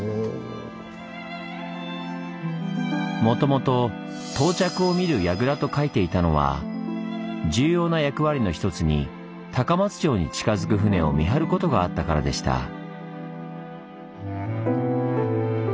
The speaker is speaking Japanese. もともと「到着を見る櫓」と書いていたのは重要な役割の一つに高松城に近づく船を見張ることがあったからでした。